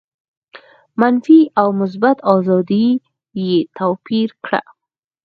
منفي او مثبته آزادي یې توپیر کړه.